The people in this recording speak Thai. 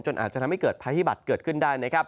จนอาจจะทำให้เกิดภัยบัตรเกิดขึ้นได้